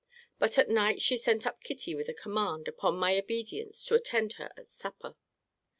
But at night she sent up Kitty with a command, upon my obedience, to attend her at supper.